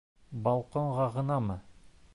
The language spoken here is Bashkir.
Балконға ғынамы?